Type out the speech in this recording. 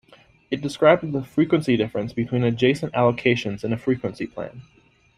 It describes the frequency difference between adjacent allocations in a frequency plan.